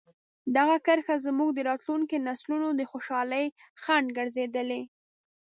دغه کرښه زموږ د راتلونکي نسلونو د خوشحالۍ خنډ ګرځېدلې.